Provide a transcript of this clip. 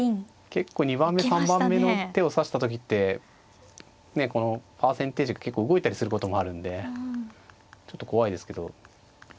結構２番目３番目の手を指した時ってこのパーセンテージが結構動いたりすることもあるんでちょっと怖いですけど。